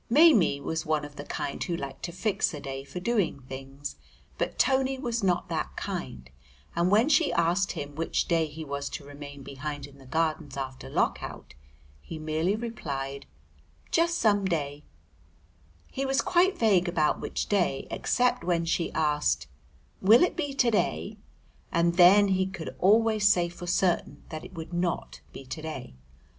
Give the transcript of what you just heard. Maimie was one of the kind who like to fix a day for doing things, but Tony was not that kind, and when she asked him which day he was to remain behind in the Gardens after Lock out he merely replied, "Just some day;" he was quite vague about which day except when she asked "Will it be to day?" and then he could always say for certain that it would not be to day.